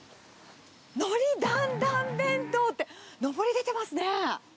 海苔だんだん弁当って、のぼり出てますね。